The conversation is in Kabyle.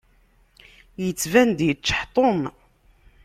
Yettban-d yeččeḥ Tom.